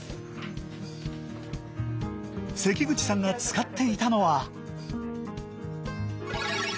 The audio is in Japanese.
関口さんが使っていたのは。